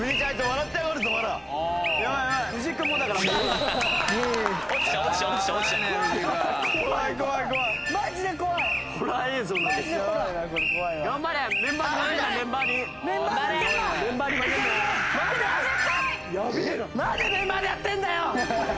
なんでメンバーでやってんだよ！